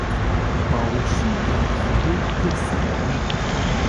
Bawşînka xewê girt ser wî.